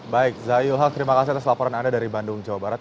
baik zayul haq terima kasih atas laporan anda dari bandung jawa barat